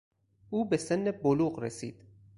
او به سن بلوغ رسید.